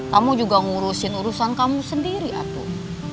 kamu juga ngurusin urusan kamu sendiri atun